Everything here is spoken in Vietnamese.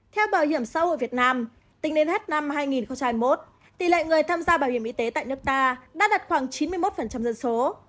theo bảo hiểm xã hội việt nam tính đến hết năm hai nghìn hai mươi một tỷ lệ người tham gia bảo hiểm y tế tại nước ta đã đạt khoảng chín mươi một dân số